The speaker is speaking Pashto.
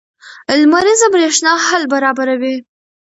لمریزه برېښنا حل برابروي.